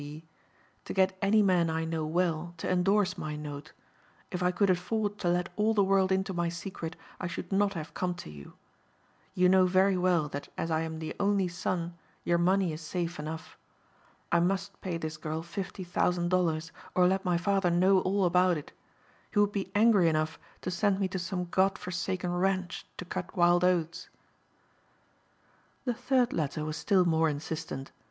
G.," "to get any man I know well to endorse my note. If I could afford to let all the world into my secret, I should not have come to you. You know very well that as I am the only son your money is safe enough. I must pay this girl fifty thousand dollars or let my father know all about it. He would be angry enough to send me to some god forsaken ranch to cut wild oats." The third letter was still more insistent.